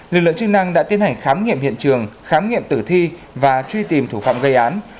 lực lượng chức năng đã tiến hành khám nghiệm hiện trường khám nghiệm tử thi và truy tìm thủ phạm gây án